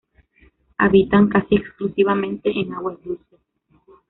Habitan casi exclusivamente en aguas dulces.